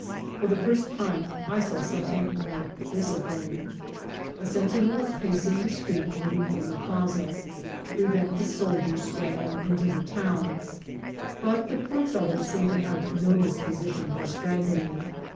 For the first time I saw something like discipline. A sen tinel was pacing the street leading from the plaza, to prevent the soldiers straggling into the town ; but the poor fellows seemed to have no disposition for strag gling.